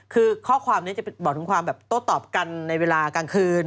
คือข้อความนี้จะบอกถึงความแบบโต้ตอบกันในเวลากลางคืน